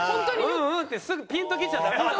「うんうん」ってすぐピンときちゃダメなの。